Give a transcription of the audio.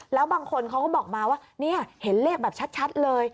แล้วบางคนเขาก็บอกมาว่านี่เห็นเลขแบบชัดเลย